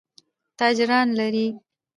تاجران لري.